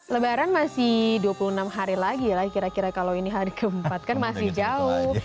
lebaran masih dua puluh enam hari lagi lah kira kira kalau ini hari keempat kan masih jauh